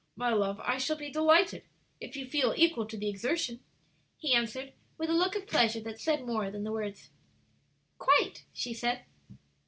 "My love, I shall be delighted, if you feel equal to the exertion," he answered, with a look of pleasure that said more than the words. "Quite," she said.